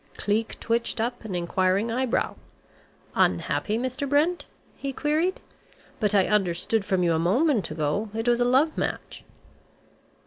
Cleek twitched up an inquiring eyebrow. "Unhappy, Mr. Brent?" he queried. "But I understood from you a moment ago it was a love match."